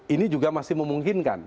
ini juga masih memungkinkan